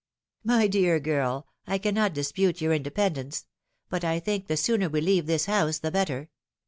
" My dear girl, I cannot dispute your independence ; but I think the sooner we leave this house the better.